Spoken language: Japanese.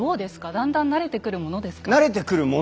だんだん慣れてくるものですか？